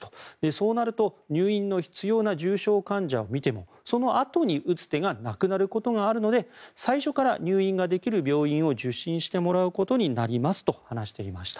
そうなると、入院の必要な重症患者を診てもそのあとに打つ手がなくなることがあるので最初から入院ができる病院を受診してもらうことになりますと話していました。